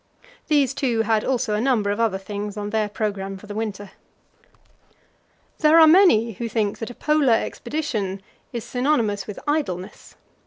These two had also a number of other things on their programme for the winter. There are many who think that a Polar expedition is synonymous with idleness.